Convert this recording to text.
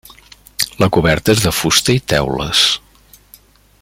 La coberta és de fusta i teules.